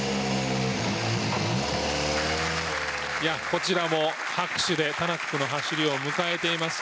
こちらも拍手でタナックの走りを迎えています。